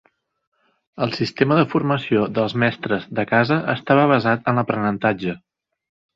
El sistema de formació dels mestres de casa estava basat en l’aprenentatge.